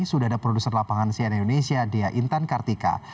sudah ada produser lapangan sian indonesia dea intan kartika